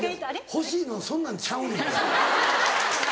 欲しいのはそんなんちゃうねん。